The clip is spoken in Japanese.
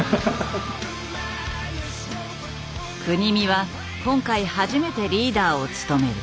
國見は今回初めてリーダーを務める。